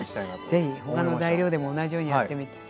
是非他の材料でも同じようにやってみて。